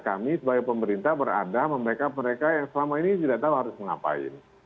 kami sebagai pemerintah berada membackup mereka yang selama ini tidak tahu harus mengapain